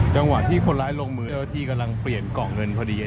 จังหวะที่คนร้ายลงมือเจ้าที่กำลังเปลี่ยนกล่องเงินพอดี